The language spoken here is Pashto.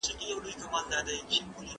تاسي کله دغه نوي کالي واغوستل؟